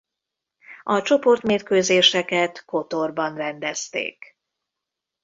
A csoportmérkőzéseket Kotorban rendezték.